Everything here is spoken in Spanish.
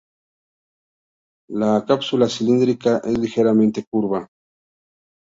La cápsula cilíndrica es ligeramente curva.